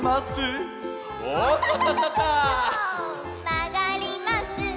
「まがります」